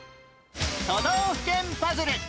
都道府県パズル